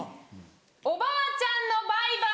おばあちゃんのバイバイ。